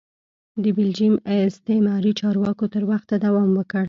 د بلجیم استعماري چارواکو تر وخته دوام وکړ.